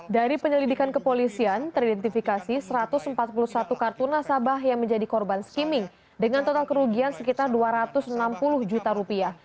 dari penyelidikan kepolisian teridentifikasi satu ratus empat puluh satu kartu nasabah yang menjadi korban skimming dengan total kerugian sekitar dua ratus enam puluh juta rupiah